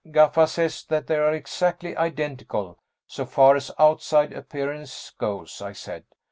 "Gaffa says that they are exactly identical so far as outside appearance goes," I said.